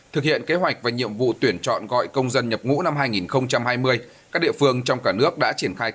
thực hiện kế hoạch và nhiệm vụ tuyển chọn gọi công dân nhập ngũ năm hai nghìn hai mươi các địa phương trong cả nước đã triển khai